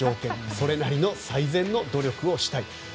それなりの最善の努力をしたい。